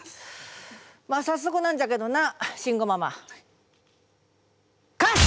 まあ早速なんじゃけどな慎吾ママ。